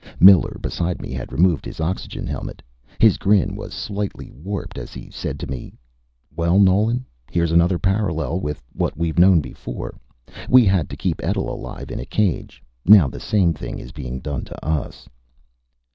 Miller, beside me, had removed his oxygen helmet. His grin was slightly warped as he said to me: "Well, Nolan, here's another parallel with what we've known before. We had to keep Etl alive in a cage. Now the same thing is being done to us."